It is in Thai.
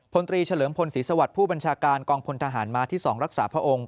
พลตรีเฉลิมพลศรีสวัสดิ์ผู้บัญชาการกองพลทหารมาที่๒รักษาพระองค์